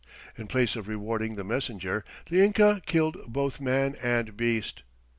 In place of rewarding the messenger, the Inca killed both man and beast.